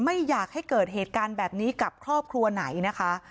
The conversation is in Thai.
ไม่อยากให้เกิดเหตุการณ์แบบนี้กับครอบครัวไหนนะคะ